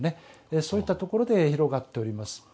そういったところで広がっております。